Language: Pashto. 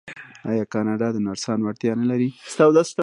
آیا کاناډا د نرسانو اړتیا نلري؟